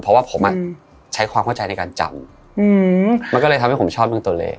เพราะว่าผมใช้ความเข้าใจในการจำมันก็เลยทำให้ผมชอบเรื่องตัวเลข